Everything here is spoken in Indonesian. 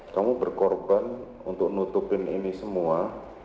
kamu berkorban untuk nutupin ini semua